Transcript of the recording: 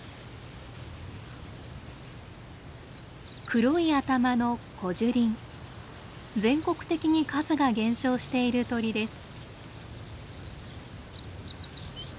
黒い頭の全国的に数が減少している鳥です。